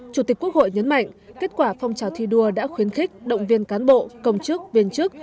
chủ tịch quốc hội nhấn mạnh kết quả phong trào thi đua đã khuyến khích động viên cán bộ công chức viên chức